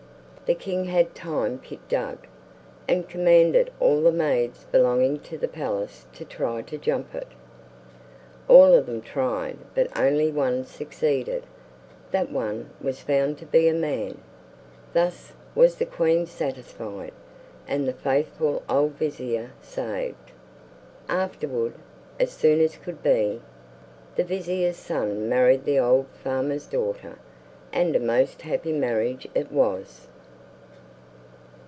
The king had time pit dug, and commanded all the maids belonging to the palace to try to jump it. All of them tried, but only one succeeded. That one was found to be a man! Thus was the queen satisfied, and the faithful old vizier saved. Afterward, as soon as could be, the vizier's son married the old farmer's daughter; and a most happy marriage it was.